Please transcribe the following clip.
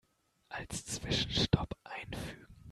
Als Zwischenstopp einfügen.